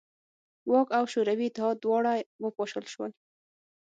واک او شوروي اتحاد دواړه وپاشل شول.